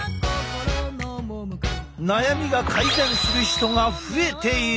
悩みが改善する人が増えている！